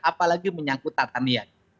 apalagi menyangkut tatanian